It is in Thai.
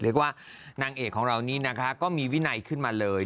เรียกว่านางเอกของเรานี่นะคะก็มีวินัยขึ้นมาเลย